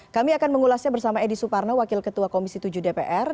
kami akan mengulasnya bersama edi suparno wakil ketua komisi tujuh dpr